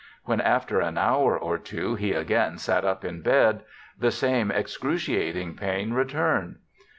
When after an hour or two he again sat up in bed the same excruciating pain returned.